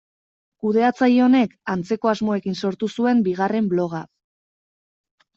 Kudeatzaile honek antzeko asmoekin sortu zuen bigarren bloga.